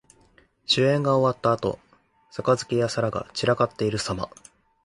酒宴が終わったあと、杯や皿が散らかっているさま。